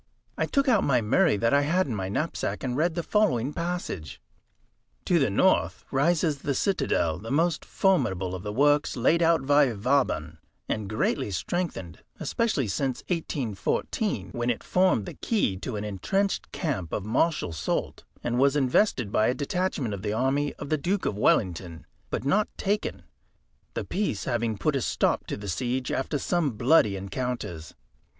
I took out my Murray that I had in my knapsack, and read the following passage: "To the N., rises the citadel, the most formidable of the works laid out by Vauban, and greatly strengthened, especially since 1814, when it formed the key to an entrenched camp of Marshal Soult, and was invested by a detachment of the army of the Duke of Wellington, but not taken, the peace having put a stop to the siege after some bloody encounters.